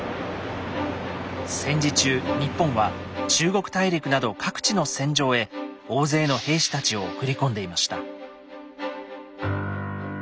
戦時中日本は中国大陸など各地の戦場へ大勢の兵士たちを送り込んでいました。